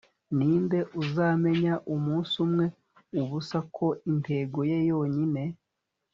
ninde uzamenya umunsi umwe, ubusa, ko intego ye yonyine